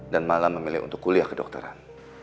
dan malah memilih untuk kuliah kedokteran